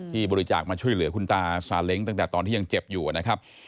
บริจาคมาช่วยเหลือคุณตาซาเล้งตั้งแต่ตอนที่ยังเจ็บอยู่นะครับ